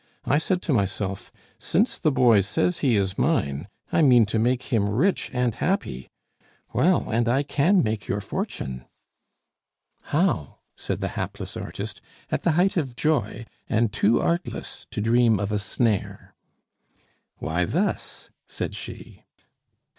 I said to myself, 'Since the boy says he is mine, I mean to make him rich and happy!' Well, and I can make your fortune." "How?" said the hapless artist, at the height of joy, and too artless to dream of a snare. "Why, thus," said she.